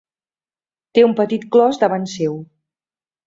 Té un petit clos davant seu.